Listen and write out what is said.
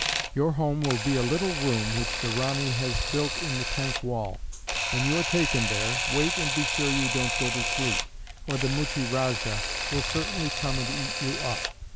Your home will be a little room which the Ranee has had built in the tank wall. When you are taken there, wait and be sure you don't go to sleep, or the Muchie Rajah will certainly come and eat you up.